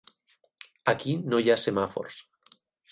Aquí no hi ha semàfors.